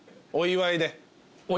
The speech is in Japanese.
お祝いで。